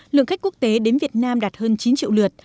lượng khách quốc tế đến việt nam đạt hơn chín triệu lượt